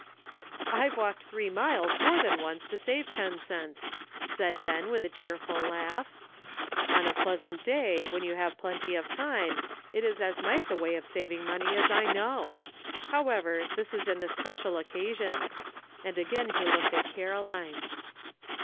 " I've walked three miles more than once to save ten cents," said Ben, with a cheerful laugh. "On a pleasant day, when you have plenty of time, it is as nice a way of saving money as I know. However, this is an especial occasion," and again he looked at Caroline.